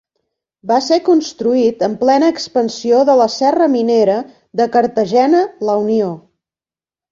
Va ser construït en plena expansió de la Serra minera de Cartagena-La Unió.